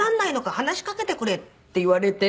話しかけてくれって言われて。